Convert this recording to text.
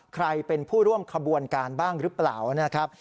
ใครเป็นผู้ร่วมขบวนการบ้างหรือเปล่านะครับ